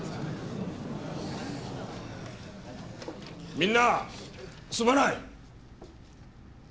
みんなすまない！